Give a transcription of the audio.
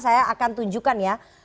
saya akan tunjukkan ya